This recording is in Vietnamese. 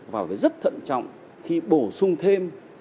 và phải rất thận trọng khi bổ sung thêm